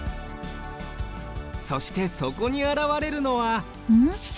そしてそこにあらわれるのはん？